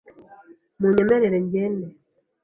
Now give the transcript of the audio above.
Munyemerere ngende .